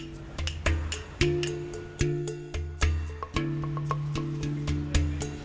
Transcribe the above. kepada pemerintah kemungkinan untuk memulai